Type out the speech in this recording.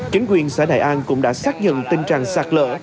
chính quyền xã đại an cũng đã xác nhận tình trạng sạt lở